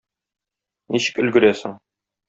Ничек өлгерәсең?